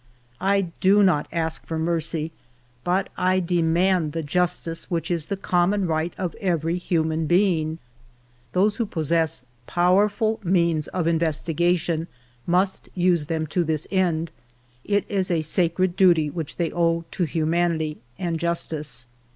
" I do not ask for mercy, but I demand the jus tice which is the common right of every human being. Those who possess powerful means of investigation must use them to this end; it is a sacred duty which they owe to humanity and justice.